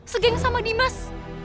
segeng sama dimas